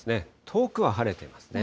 遠くは晴れてますね。